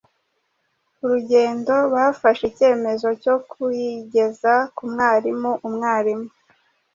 urugendo, bafashe ikemezo cyo kuyigeza ku mwarimu. Umwarimu